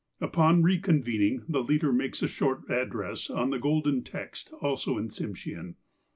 Upon reconvening, the leader makes a short address on the golden text, also in Tsimshean.